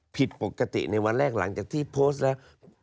ผิดปกติในวันแรกหลังจากที่โพสต์แล้ว